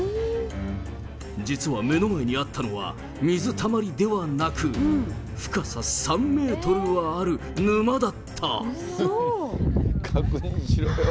実は目の前にあったのは、水たまりではなく、深さ３メートルはある沼だった。